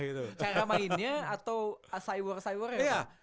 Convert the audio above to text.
cara mainnya atau cyborg cyborg ya pak